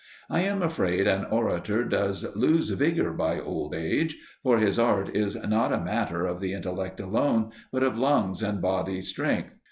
I am afraid an orator does lose vigour by old age, for his art is not a matter of the intellect alone, but of lungs and bodily strength.